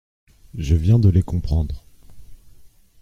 Je viens de les comprendre.